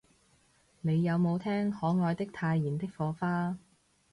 你有無聽可愛的太妍的火花